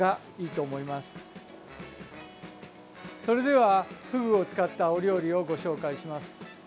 それでは、フグを使ったお料理をご紹介します。